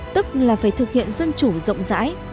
tức là phải thực hiện dân chủ rộng rãi